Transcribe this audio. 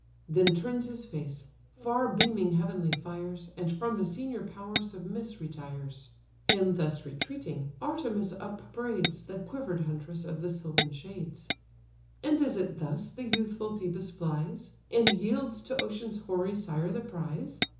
Then turns his face, far beaming heavenly fires, And from the senior power submiss retires: Him thus retreating, Artemis upbraids, The quiver'd huntress of the sylvan shades: "And is it thus the youthful Phœbus flies, And yields to ocean's hoary sire the prize?